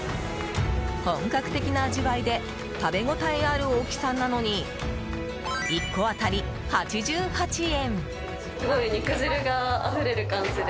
本格的な味わいで食べ応えある大きさなのに１個当たり８８円！